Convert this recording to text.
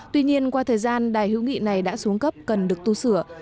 tuy nhiên qua thời gian đài hữu nghị này đã xuống cấp cần được tu sửa